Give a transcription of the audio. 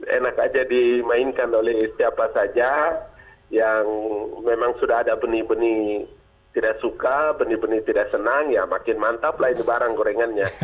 enak aja dimainkan oleh siapa saja yang memang sudah ada benih benih tidak suka benih benih tidak senang ya makin mantap lah ini barang gorengannya